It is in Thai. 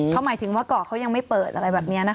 เขาหมายถึงว่าเกาะเขายังไม่เปิดอะไรแบบนี้นะคะ